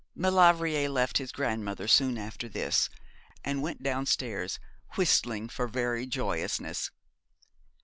Maulevrier left his grandmother soon after this, and went downstairs, whistling for very joyousness.